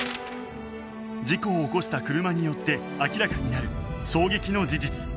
事故を起こした車によって明らかになる衝撃の事実